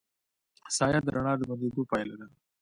سایه د رڼا د بندېدو پایله ده.